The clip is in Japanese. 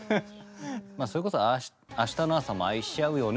それこそ「明日の朝も愛し合うよね」